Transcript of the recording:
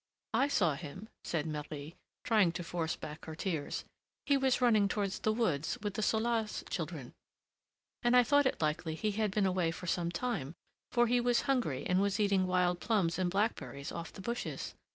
"I saw him," said Marie, trying to force back her tears. "He was running toward the woods with the Soulas children, and I thought it likely he had been away for some time, for he was hungry, and was eating wild plums and blackberries off the bushes.